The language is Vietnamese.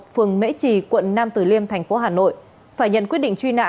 phường mễ trì quận nam tử liêm tp hà nội phải nhận quyết định truy nã